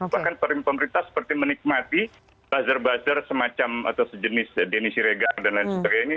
bahkan pemerintah seperti menikmati buzzer buzzer semacam atau sejenis denny siregar dan lain sebagainya